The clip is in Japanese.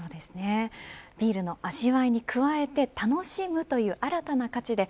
ビールの味わいに加えて楽しむという新たな価値で